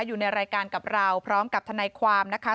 อยู่ในรายการกับเราพร้อมกับทนายความนะคะ